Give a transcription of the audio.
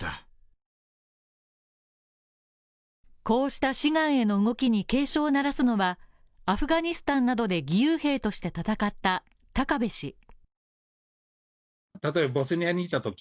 こうした志願への動きに警鐘を鳴らすのはアフガニスタンなどで義勇兵として戦った高部氏。